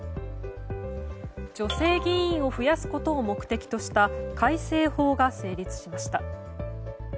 女性議員を増やすことを目的とした改正法が成立しました。